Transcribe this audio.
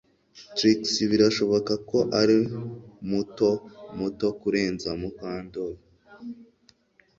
Trix birashoboka ko arumuto muto kurenza Mukandoli